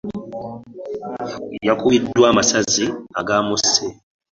Yakubiddwa amasasi agaamusse.